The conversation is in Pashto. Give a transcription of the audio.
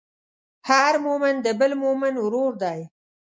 هر مؤمن د بل مؤمن ورور دی.